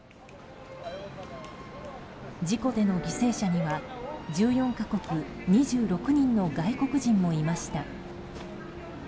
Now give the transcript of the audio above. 事故での犠牲者には１４か国２６人の外国人もいました。